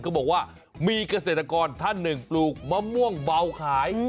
เขาบอกว่ามีเกษตรกรท่านหนึ่งปลูกมะม่วงเบาขาย